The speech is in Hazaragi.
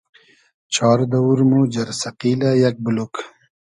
چار دئوور مۉ جئرسئقیلۂ یئگ بولوگ